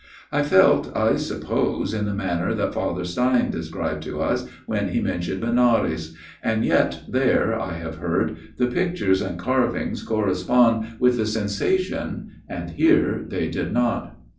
I felt I suppose in the manner that Father Stein described to us when he mentioned Benares ; and yet there, I have heard, the pictures and carvings correspond with the sensation, and here they did not.